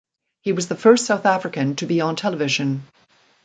He was the first South African to be on television.